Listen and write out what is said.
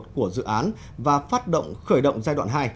của dự án và phát động khởi động giai đoạn hai